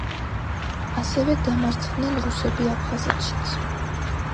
ასევე დამარცხდნენ რუსები აფხაზეთშიც.